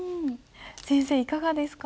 先生いかがですか？